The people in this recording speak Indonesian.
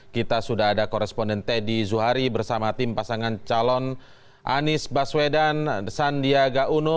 kita sudah ada koresponden teddy zuhari bersama tim pasangan calon anies baswedan sandiaga uno